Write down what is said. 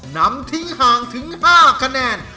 นำทิ้งห่างถึง๕คะแนน